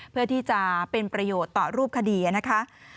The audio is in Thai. เพื่อที่จะเป็นประโยชน์ต่อรูปคดีนะคะ